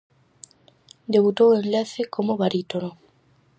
Debutou en Lecce como barítono.